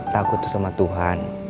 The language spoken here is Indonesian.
takut sama tuhan